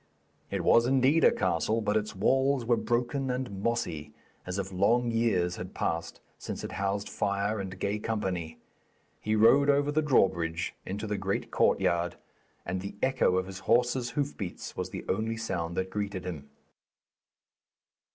It was indeed a castle, but its walls were broken and mossy, as if long years had passed since it housed fire and gay company. He rode over the drawbridge into the great courtyard, and the echo of his horse's hoofbeats was the only sound that greeted him.